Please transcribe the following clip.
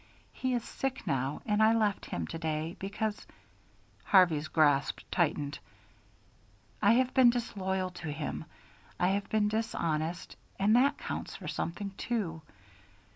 He is sick now, and I left him to day, because " Harvey's grasp tightened. "I have been disloyal to him, I have been dishonest and that counts for something, too.